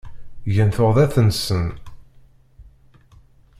Gan tuɣdaṭ-nsen.